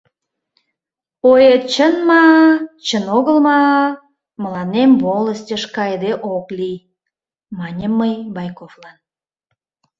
—...Оет чын ма, чын огыл ма — мыланем волостьыш кайыде ок лий, — маньым мый Байковлан.